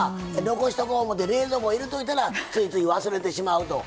残しとこ思うて冷蔵庫入れといたらついつい忘れてしまうと。